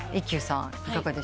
いかがでしたか？